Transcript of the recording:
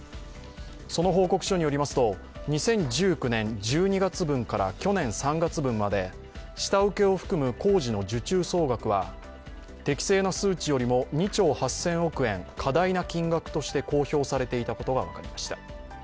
その報告書によりますと、２０１９年１２月分から去年３月分まで下請けを含む工事の受注総額は適正な数値よりも２兆８０００億円、過大な金額として公表されていたことが分かりました。